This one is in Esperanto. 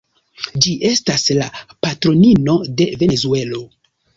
Ĝi estas la patronino de Venezuelo.